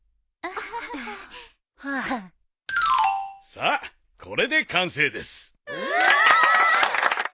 さあこれで完成です。